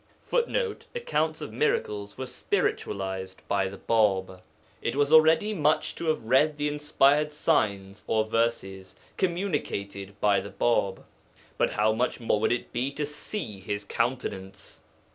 [Footnote: Accounts of miracles were spiritualized by the Bāb.] It was already much to have read the inspired "signs," or verses, communicated by the Bāb, but how much more would it be to see his Countenance!